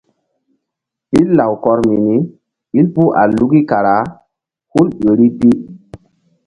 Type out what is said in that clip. Ɓil lawkɔr mini ɓil puh a luki kara hul ƴo ri pi.